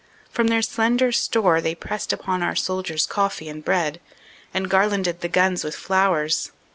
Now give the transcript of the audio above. From their slender store they pressed upon our soldiers coffee and bread, and garlanded the guns with flowers.